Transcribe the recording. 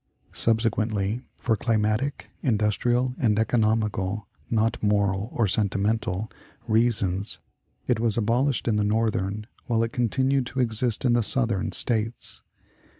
Subsequently, for climatic, industrial, and economical not moral or sentimental reasons, it was abolished in the Northern, while it continued to exist in the Southern States.